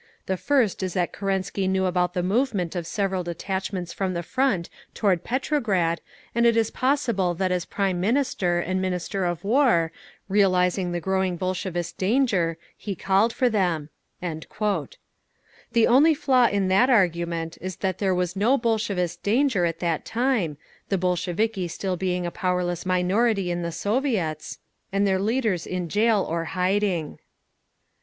The first is that Kerensky knew about the movement of several detachments from the Front toward Petrograd, and it is possible that as Prime Minister and Minister of War, realising the growing Bolshevist danger, he called for them…." The only flaw in that argument is that there was no "Bolshevist danger" at that time, the Bolsheviki still being a powerless minority in the Soviets, and their leaders in jail or hiding.